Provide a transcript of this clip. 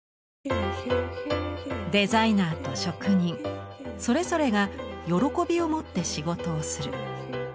デザイナーと職人それぞれが喜びをもって仕事をする。